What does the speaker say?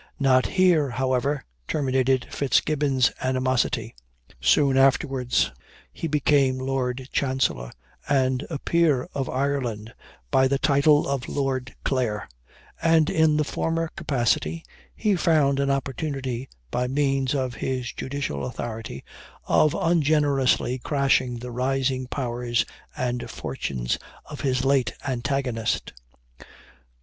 Not here, however, terminated Fitzgibbon's animosity. Soon afterwards, he became Lord Chancellor, and a peer of Ireland, by the title of Lord Clare; and in the former capacity he found an opportunity, by means of his judicial authority, of ungenerously crashing the rising powers and fortunes of his late antagonist.